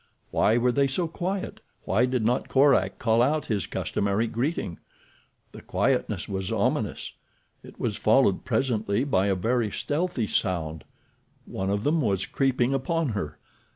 Why were they so quiet? Why did not Korak call out his customary greeting? The quietness was ominous. It was followed presently by a very stealthy sound—one of them was creeping upon her.